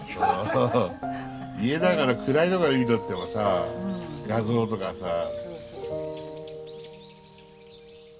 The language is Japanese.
家の中の暗いとこで見とってもさあ画像とかさあ。